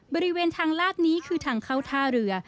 บริเวณทางลาดนี้คือทางเข้าท่าเรือ